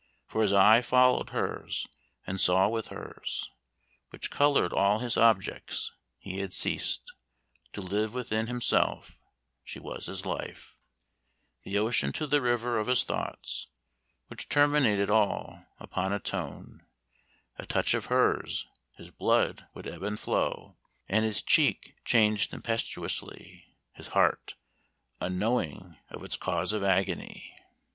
For his eye followed hers, and saw with hers, Which colored all his objects; he had ceased To live within himself; she was his life, The ocean to the river of his thoughts, Which terminated all; upon a tone, A touch of hers, his blood would ebb and flow, And his cheek change tempestuously his heart Unknowing of its cause of agony."